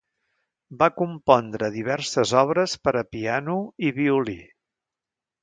Va compondre diverses obres per a piano i violí.